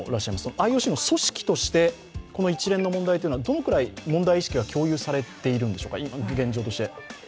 ＩＯＣの組織として、この一連の問題はどのくらい問題意識は共有されているんでしょうか、現状として。